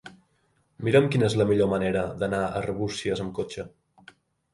Mira'm quina és la millor manera d'anar a Arbúcies amb cotxe.